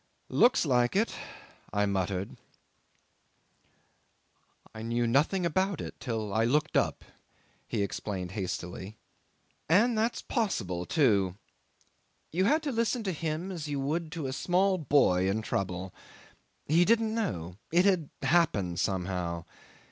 '"Looks like it," I muttered. '"I knew nothing about it till I looked up," he explained hastily. And that's possible, too. You had to listen to him as you would to a small boy in trouble. He didn't know. It had happened somehow.